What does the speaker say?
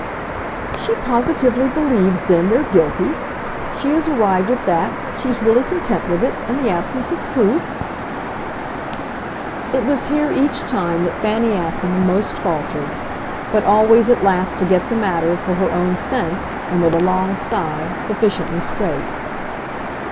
"She positively believes then they're guilty? She has arrived at that, she's really content with it, in the absence of proof?" It was here, each time, that Fanny Assingham most faltered; but always at last to get the matter, for her own sense, and with a long sigh, sufficiently straight.